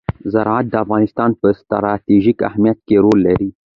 زراعت د افغانستان په ستراتیژیک اهمیت کې رول لري.